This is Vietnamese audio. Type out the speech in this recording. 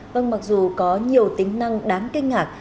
vâng mặc dù có nhiều tính năng đáng kinh ngạc